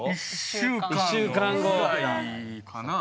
１週間ぐらいかな？